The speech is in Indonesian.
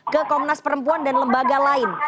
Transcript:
ke komnas perempuan dan lembaga lain